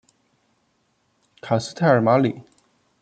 卡斯泰尔马里。